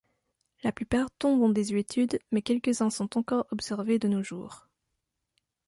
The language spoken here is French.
La plupart tombent en désuétude mais quelques-uns sont encore observés de nos jours.